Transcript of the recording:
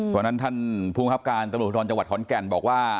เพราะฉะนั้นท่านภูมิครับการตำรวจภูทรจังหวัดขอนแก่นบอกว่า